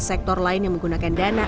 sektor lain yang menggunakan dana